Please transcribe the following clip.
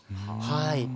はい。